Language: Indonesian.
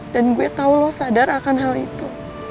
dan gue tau lo sadar akan hal itu